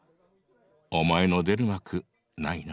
お前の出る幕ないナ。